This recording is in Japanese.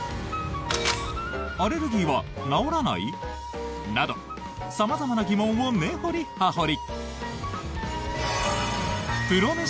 アレルギーは治らない？など様々な疑問を根掘り葉掘り！